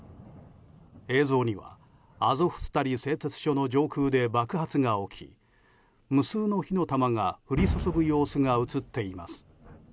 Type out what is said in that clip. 映像にはアゾフスタリ製鉄所の上空で爆発が起き無数の火の玉が降り注ぐ様子が映っています。